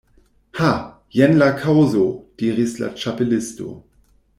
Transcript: "Ha, jen la kaŭzo," diris la Ĉapelisto.